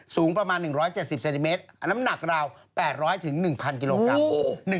สูงประมาณ๑๗๐เซนติเมตรอันน้ำหนักราว๘๐๐๑๐๐กิโลกรัม